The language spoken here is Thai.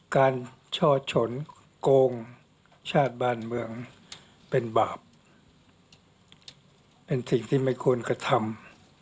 ช่อชนโกงชาติบ้านเมืองเป็นบาปเป็นสิ่งที่ไม่ควรกระทำ